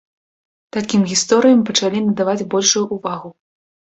Такім гісторыям пачалі надаваць большую ўвагу.